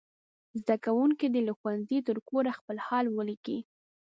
زده کوونکي دې له ښوونځي تر کوره خپل حال ولیکي.